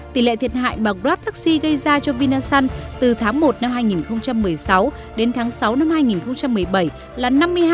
tỷ lệ thiệt hại mà grab taxi gây ra cho vinasun từ tháng một năm hai nghìn một mươi sáu đến tháng sáu năm hai nghìn một mươi bảy là năm mươi hai